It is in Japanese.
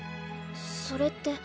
それって。